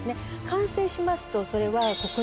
完成しますとそれは。